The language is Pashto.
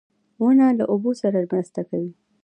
• ونه له اوبو سره مرسته کوي.